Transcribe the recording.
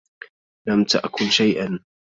لم تأكل شيئا.